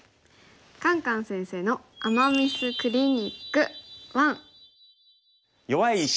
「カンカン先生の“アマ・ミス”クリニック１」。